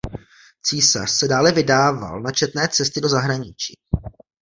Císař se dále vydával na četné cesty do zahraničí.